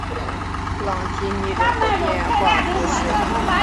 朗提尼人口变化图示